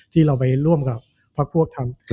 ที่เราไปร่วมกับพักพวกทำ